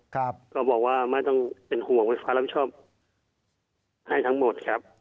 ก็บอกว่าไม่ต้องเป็นห่วงไฟฟ้ารับชอบให้ทั้งหมดครับ